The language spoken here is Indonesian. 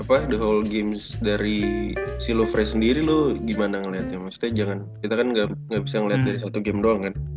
apa ya the hall games dari si lufre sendiri lu gimana ngeliatnya maksudnya jangan kita kan ga bisa ngeliat dari satu game doang kan